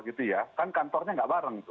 kan kantornya tidak bareng